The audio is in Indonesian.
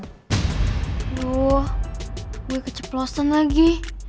aduh gue keceplosan lagi